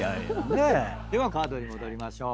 ではカードに戻りましょう。